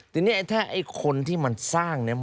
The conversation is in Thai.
ทีนี้ถ้าคนที่มันสร้าง